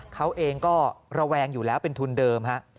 เขาเองก็ระแวงอยู่แล้วเป็นทุนเดิมฮะ